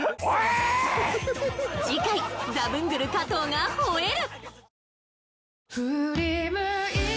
次回ザブングル加藤がほえる！